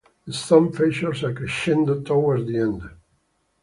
The song features a crescendo towards the end.